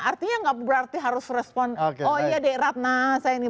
artinya nggak berarti harus respon oh iya deh ratna saya ini